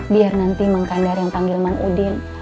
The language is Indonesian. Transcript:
biar nanti mang kandar yang tanggil mang udin